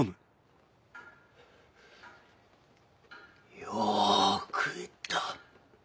よく言った。